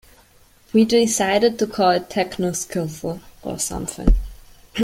We decided to call it techno-skiffle or something.